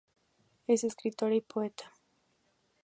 Es escritora y poeta.